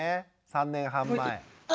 ３年半前。